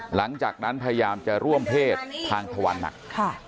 หลังจากนั้นพยายามจะร่วมเพศทางถวันหนัก